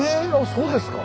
そうですか。